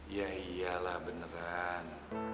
iya iyalah beneran